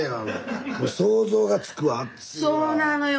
そうなのよ